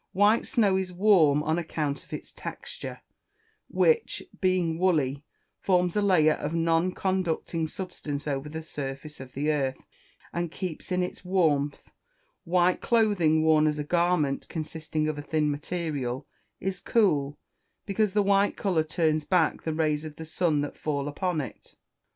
White snow is warm on account of its texture, which, being woolly, forms a layer of non conducting substance over the surface of the earth, and keeps in its warmth; white clothing, worn as a garment consisting of a thin material, is cool, because the white colour turns back the rays of the sun that fall upon it.